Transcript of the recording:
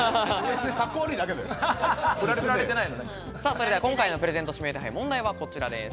それでは今回のプレゼント指名手配、問題はこちらです。